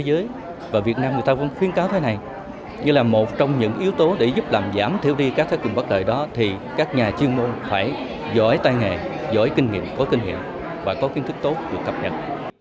giỏi tay nghề giỏi kinh nghiệm có kinh nghiệm và có kiến thức tốt được cập nhật